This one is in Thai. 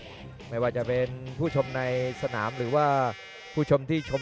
๓คู่ที่ผ่านมานั้นการันตีถึงความสนุกดูดเดือดที่แฟนมวยนั้นสัมผัสได้ครับ